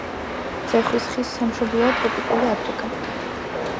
ძეხვის ხის სამშობლოა ტროპიკული აფრიკა.